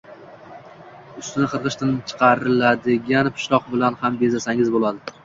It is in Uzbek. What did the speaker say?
Ustini qirg‘ichdan chiqarilgan pishloq bilan ham bezasangiz bo‘ladi